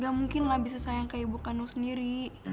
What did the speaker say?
gak mungkin lah bisa sayang ke ibu kandung sendiri